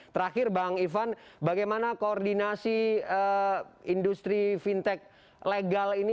terakhir bang ivan bagaimana koordinasi industri fintech legal ini